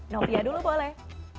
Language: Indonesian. novia dulu boleh